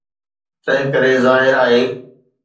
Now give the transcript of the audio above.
تنهنڪري ظاهر آهي.